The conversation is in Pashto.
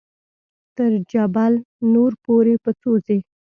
تر جبل نور پورې په څو ځې.